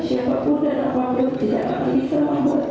siapapun dan apapun tidak apa apa bisa membuat